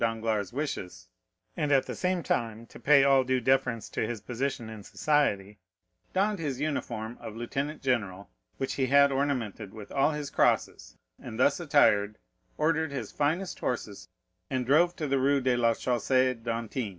Danglars' wishes, and at the same time to pay all due deference to his position in society, donned his uniform of lieutenant general, which he ornamented with all his crosses, and thus attired, ordered his finest horses and drove to the Rue de la Chaussée d'Antin.